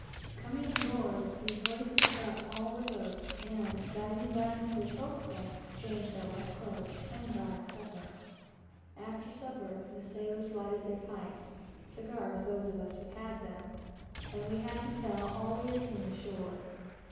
Coming aboard, we hoisted up all the boats, and diving down into the forecastle, changed our wet clothes, and got our supper. After supper the sailors lighted their pipes, (cigars, those of us who had them,) and we had to tell all we had seen ashore.